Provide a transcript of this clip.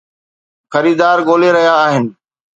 خريدار ڳولي رھيا آھن